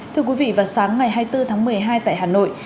thưa quý vị vào sáng ngày hai mươi bốn tháng một mươi hai tại hà nội